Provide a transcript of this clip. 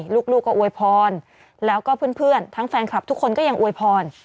ลูกก็อวยพรแล้วก็เพื่อนทั้งแฟนคลับทุกคนก็ยังอวยพร